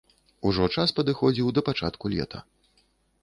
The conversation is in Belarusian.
Ужо час падыходзіў да пачатку лета.